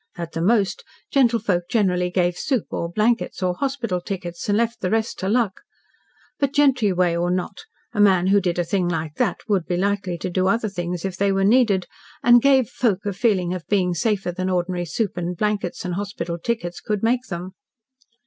At the most, gentlefolk generally gave soup or blankets or hospital tickets, and left the rest to luck, but, "gentry way" or not, a man who did a thing like that would be likely to do other things, if they were needed, and gave folk a feeling of being safer than ordinary soup and blankets and hospital tickets could make them.